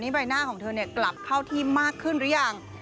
ใบหน้าของเธอกลับเข้าที่มากขึ้นหรือยัง